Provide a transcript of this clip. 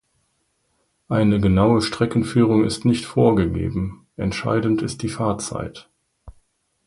Eine genaue Streckenführung ist nicht vorgegeben, entscheidend ist die Fahrzeit.